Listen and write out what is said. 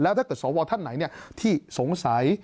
แล้วถ้าเกิดสวท่านไหนเนี่ยที่สงสัย